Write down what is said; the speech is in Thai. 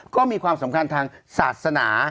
ก็มีความสำคัญทางศาสนา